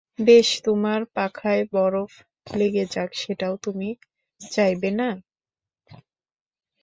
বেশ, তোমার পাখায় বরফ লেগে যাক সেটাও তুমি চাইবে না।